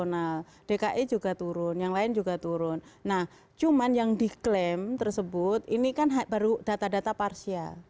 tapi juga bagaimana integritas